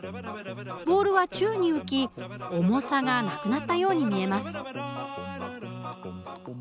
ボールは宙に浮き重さがなくなったように見えます。